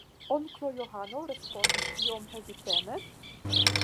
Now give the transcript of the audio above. Onklo Johano respondis iom heziteme: